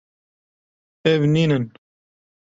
Ev nivîn in.